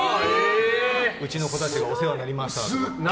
うちの子たちがお世話になりましたって。